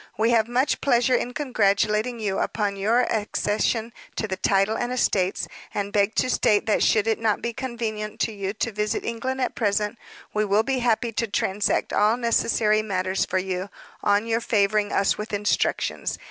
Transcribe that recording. We have much pleasure in congratulating you upon your accession to the title and estates, and beg to state that should it not be convenient to you to visit England at present, we will be happy to transact all necessary matters for you, on your favoring us with instructions.